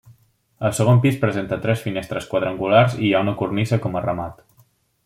El segon pis presenta tres finestres quadrangulars i hi ha una cornisa com a remat.